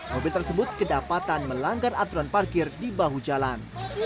mobil tersebut kedapatan melanggar aturan parkir di bahu jalan